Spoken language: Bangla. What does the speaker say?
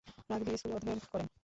রাগবি স্কুলে অধ্যয়ন করেন।